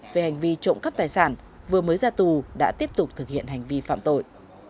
về hành vi trộm cắp tài sản vừa mới ra tù đã tiếp tục thực hiện hành vi phạm tội